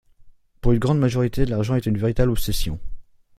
Pour une grande majorité, l'argent est une véritable obsession.